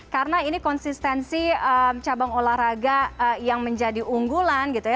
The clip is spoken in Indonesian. karena ini konsistensi cabang olahraga yang menjadi unggulan gitu ya